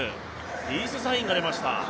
ピースサインが出ました。